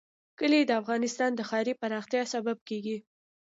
کلي د افغانستان د ښاري پراختیا سبب کېږي.